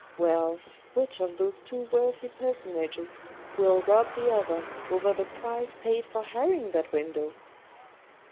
Well, which of those two worthy personages will rob the other over the price paid for hiring that window